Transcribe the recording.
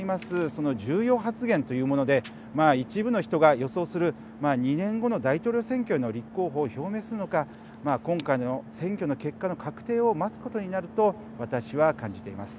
その重要発言というもので一部の人が予想する２年後の大統領選挙への立候補を表明するのか今回の選挙の結果の確定を待つことになると私は感じています。